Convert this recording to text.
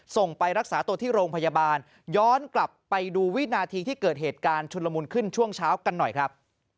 ส่งไปรักษาตัวที่โรงพยาบาลย้อนกลับไปดูวินาทีที่เกิดเหตุการณ์ชุนละมุนขึ้นช่วงเช้ากันหน่อยครับ